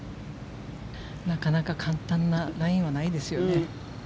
なかなか簡単なラインはないですよね。